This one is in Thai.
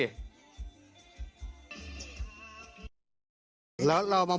เรามาบนอะไรเราบนอะไร